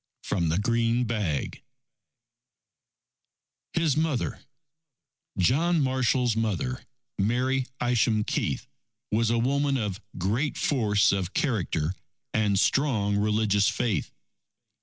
From the Green Bag HIS MOTHER John Marshall's mother, Mary Isham Keith, was a woman of great force of character and strong religious faith.